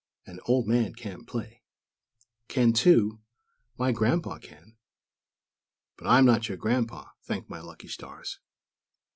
An old man can't play." "Can, too. My Grandpa can." "But I'm not your Grandpa, thank my lucky stars.